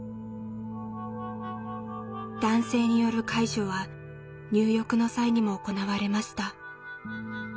男性による介助は入浴の際にも行われました。